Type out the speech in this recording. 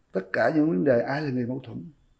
tất cả những vấn đề ai là người mâu thuẫn